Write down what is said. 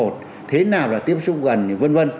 thế nào là tiếp xúc gần v v